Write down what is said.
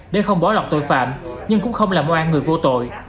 để không bỏ lọt tội phạm nhưng cũng không làm oan người vô tội